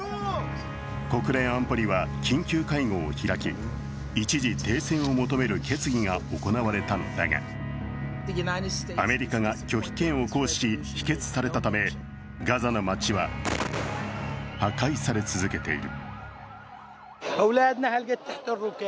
国連安保理は緊急会合を開き一時停戦を求める決議が行われたのだが、アメリカが拒否権を行使し、否決されたためガザの街は破壊され続けている。